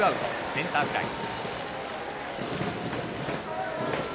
センターフライ。